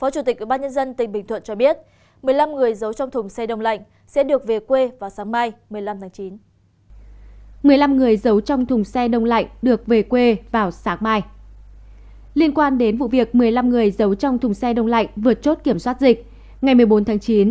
các bạn hãy đăng ký kênh để ủng hộ kênh của chúng mình nhé